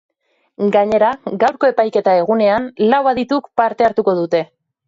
Gainera, gaurko epaiketa egunean, lau adituk parte hartuko dute.